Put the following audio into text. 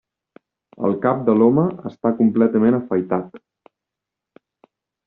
El cap de l'home està completament afaitat.